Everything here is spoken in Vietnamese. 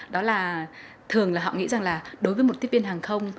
đó là thường là họ nghĩ rằng là đối với một tiếp viên hàng không